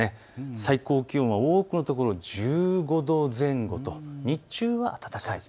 最高気温は多くの所１５度前後と日中は暖かいです。